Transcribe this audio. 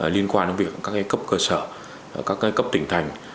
liên quan đến việc các cấp cơ sở các cấp tỉnh thành